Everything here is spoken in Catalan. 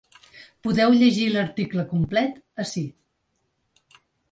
Podeu llegir l’article complet ací.